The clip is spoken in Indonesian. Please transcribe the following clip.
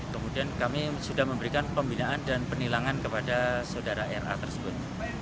kemudian kami sudah memberikan pembinaan dan penilangan kepada saudara ra tersebut